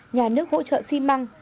nhà nước hỗ trợ xi măng